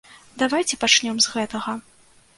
Давайце пачнём з гэтага.